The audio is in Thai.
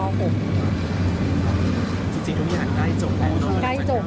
จริงตรงนี้ก็ใกล้จบแล้วเนอะ